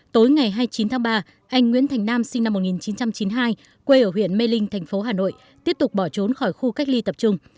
tối ngày hai mươi chín tháng ba anh nguyễn thành nam sinh năm một nghìn chín trăm chín mươi hai quê ở huyện mê linh tp hcm tiếp tục bỏ trốn khỏi khu cách ly tập trung